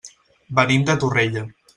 Venim de Torrella.